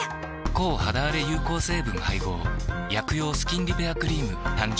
抗肌あれ有効成分配合薬用スキンリペアクリーム誕生